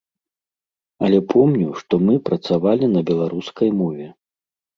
Але помню, што мы працавалі на беларускай мове.